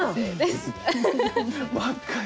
若い。